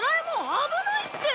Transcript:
危ないって！